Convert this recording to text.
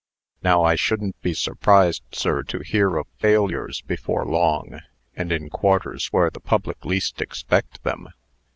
"Now I shouldn't be surprised, sir, to hear of failures before long, and in quarters where the public least expect them."